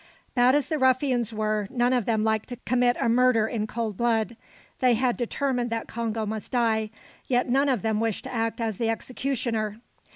Bad as the ruffians were, none of them liked to commit a murder in cold blood. They had determined that Congo must die, yet none of them wished to act as the executioner.